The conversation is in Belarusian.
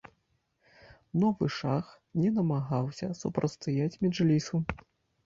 Новы шах не намагаўся супрацьстаяць меджлісу.